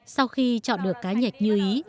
sau khi chọn được cá nhạch như ý